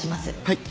はい。